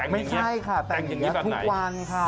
ไม่ใช่ค่ะแต่งอย่างนี้แบบไหน